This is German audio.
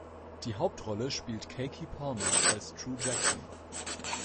Die Hauptrolle spielt Keke Palmer als True Jackson.